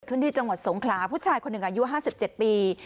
ที่จังหวัดสงขลาผู้ชายคนหนึ่งอายุ๕๗ปี